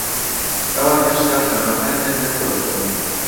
ئەوان هێشتا خانووەکانیان نەفرۆشتوون.